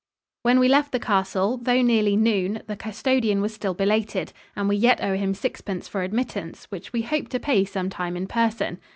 ] When we left the castle, though nearly noon, the custodian was still belated, and we yet owe him sixpence for admittance, which we hope to pay some time in person.